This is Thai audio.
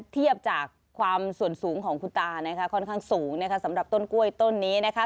เทียบจากความส่วนสูงของคุณตานะคะค่อนข้างสูงนะคะสำหรับต้นกล้วยต้นนี้นะคะ